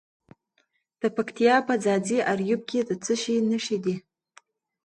د پکتیا په ځاځي اریوب کې د څه شي نښې دي؟